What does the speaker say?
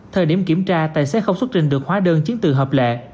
thời điểm kiểm tra tài xế không xuất trình được hóa đơn chiến từ hợp lệ